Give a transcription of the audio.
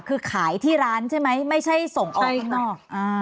คือขายที่ร้านใช่ไหมไม่ใช่ส่งออกข้างนอก